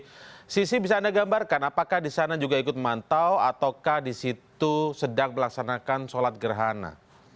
baik sisi bisa anda gambarkan apakah di sana juga ikut memantau ataukah di situ sedang melaksanakan sholat gerhana